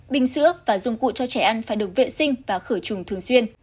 bình sữa và dụng cụ cho trẻ ăn phải được vệ sinh và khử trùng thường xuyên